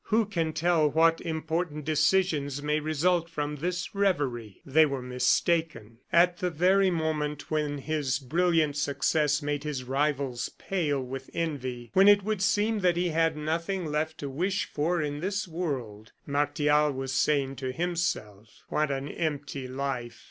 "Who can tell what important decisions may result from this revery?" They were mistaken. At the very moment when his brilliant success made his rivals pale with envy when it would seem that he had nothing left to wish for in this world, Martial was saying to himself: "What an empty life!